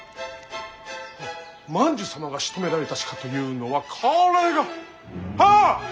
万寿様がしとめられた鹿というのはこれがはあっ！